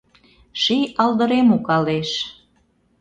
Ший алдырем укалеш.